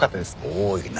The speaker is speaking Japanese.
多いな。